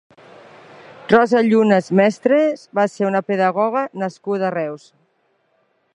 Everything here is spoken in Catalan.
Rosa Llunas Mestres va ser una pedagoga nascuda a Reus.